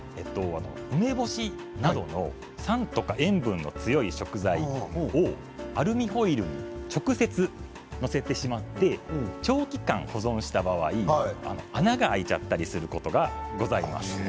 梅干しなどの酸とか塩分の強い食材をアルミホイルに直接載せてしまって長期間保存した場合穴が開いちゃったりすることがございます。